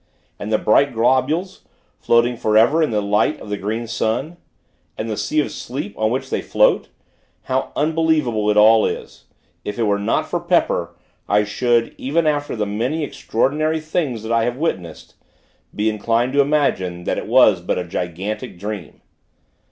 And the bright globules, floating forever in the light of the Green Sun! And the Sea of Sleep on which they float! How unbelievable it all is. If it were not for Pepper, I should, even after the many extraordinary things that I have witnessed, be inclined to imagine that it was but a gigantic dream.